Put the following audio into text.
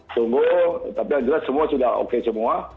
sungguh tapi yang jelas semua sudah oke semua